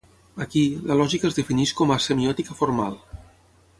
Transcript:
Aquí, la lògica es defineix com a "semiòtica formal".